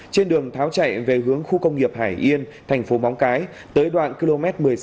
trên đường tháo chạy về hướng khu công nghiệp hải yên thành phố móng cái tới đoạn km một mươi sáu